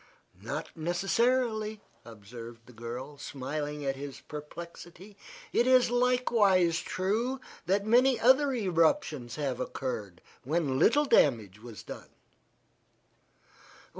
"Not necessarily," observed the girl, smiling at his perplexity. "It is likewise true that many other eruptions have occurred, when little damage was done."